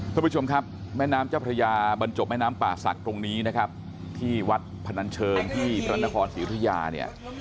คุณผู้ชมครับแม่น้ำเจ้าพระยาบรรจบแม่น้ำป่าศักดิ์ตรงนี้นะครับที่วัดพนันเชิงที่พระนครศรีอุทยาเนี่ย